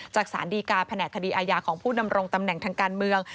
สารดีการแผนกคดีอาญาของผู้ดำรงตำแหน่งทางการเมือง